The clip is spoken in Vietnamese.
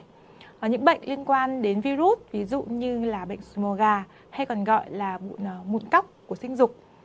hoặc là những bệnh liên quan đến virus ví dụ như là bệnh smoga hay còn gọi là mụn cóc của sinh dục